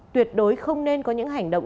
tuyệt đối không nên có những hành động